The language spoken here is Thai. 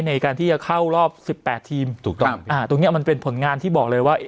ในการที่จะเข้ารอบสิบแปดทีมถูกต้องอ่าตรงเนี้ยมันเป็นผลงานที่บอกเลยว่า